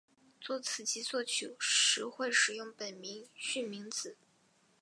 作词及作曲时会使用本名巽明子。